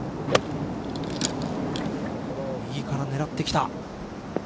右から狙ってきた。